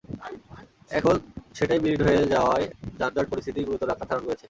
এখন সেটাই বিলীন হয়ে যাওয়ায় যানজট পরিস্থিতি গুরুতর আকার ধারণ করেছে।